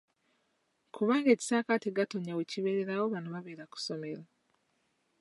Kubanga Ekisaakaate Gatonnya we kibeererawo bano babeera ku ssomero.